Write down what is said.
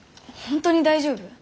本当に大丈夫？